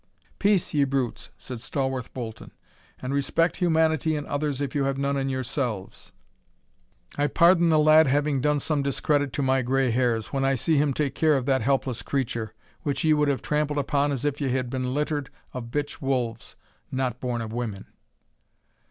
"Peace, ye brutes," said Stawarth Bolton, "and respect humanity in others if you have none yourselves. I pardon the lad having done some discredit to my gray hairs, when I see him take care of that helpless creature, which ye would have trampled upon as if ye had been littered of bitch wolves, not born of women."